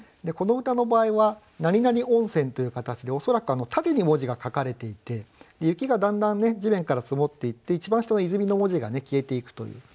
この歌の場合は何々温泉という形で恐らく縦に文字が書かれていて雪がだんだん地面から積もっていって一番下の「泉」の文字が消えていくという。